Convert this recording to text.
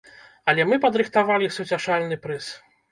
Але мы падрыхтавалі суцяшальны прыз.